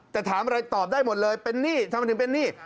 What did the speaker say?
แต่ถามอะไรตอบได้หมดเลยทำด้วยถึงเป็นนี่